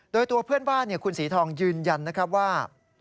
โดยตัวเพื่อนบ้านคุณสีทองยืนยันนะครับว่า